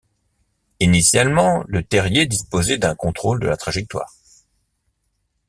Initialement, le Terrier disposait d'un contrôle de la trajectoire.